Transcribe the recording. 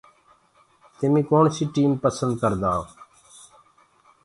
تمي ڪوڻسي ٽيم پسند ڪردآ هو۔